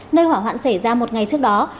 nơi hỏa hoạn xảy ra một ngày trước đó